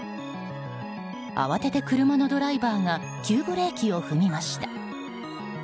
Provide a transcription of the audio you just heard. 慌てて車のドライバーが急ブレーキを踏みました。